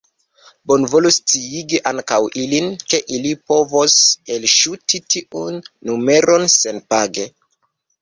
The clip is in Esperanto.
Bonvolu sciigi ankaŭ ilin, ke ili povos elŝuti tiun numeron senpage.